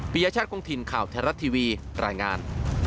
พิญญชาติกรุงถิ่นข่าวแทรรัสทีวีรายงาน